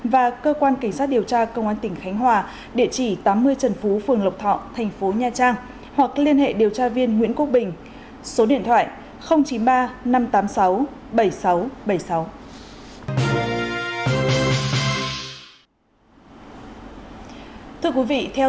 và cơ quan cảnh sát điều tra công an tỉnh khánh hòa địa chỉ tám mươi trần phú phường lộc thọ